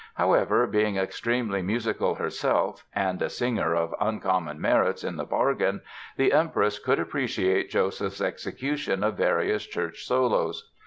However, being extremely musical herself, and a singer of uncommon merits in the bargain, the Empress could appreciate Joseph's execution of various church solos.